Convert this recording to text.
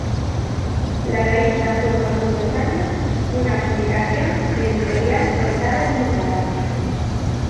La revista fue por muchos años, una publicación de Editorial Portada Ltda.